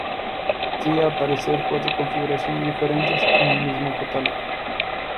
Llega a aparecer cuatro configuraciones diferentes en un mismo catálogo.